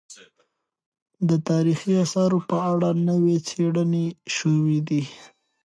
د تاريخي اثارو په اړه نوې څېړنې شوې دي.